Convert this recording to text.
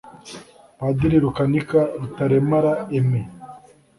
Padiri Rukanika Rutaremara Aimé